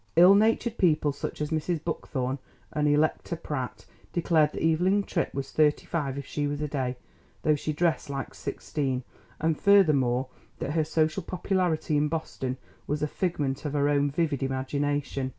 Ill natured people, such as Mrs. Buckthorn and Electa Pratt, declared that Evelyn Tripp was thirty five if she was a day, though she dressed like sixteen; and furthermore that her social popularity in Boston was a figment of her own vivid imagination.